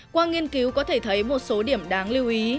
qua nghiên cứu có thể thấy một số điểm đáng lưu ý